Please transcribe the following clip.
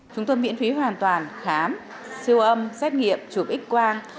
trung tâm miễn phí hoàn toàn khám siêu âm xét nghiệm chụp x quang